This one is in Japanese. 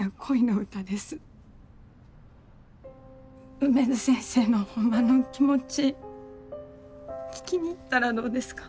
梅津先生のホンマの気持ち聞きに行ったらどうですか？